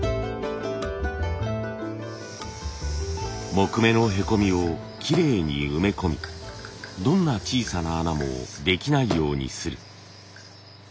木目のへこみをきれいに埋め込みどんな小さな穴もできないようにする。